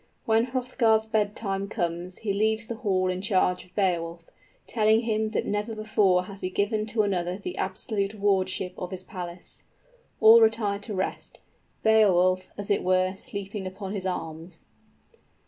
When Hrothgar's bedtime comes he leaves the hall in charge of Beowulf, telling him that never before has he given to another the absolute wardship of his palace. All retire to rest, Beowulf, as it were, sleeping upon his arms.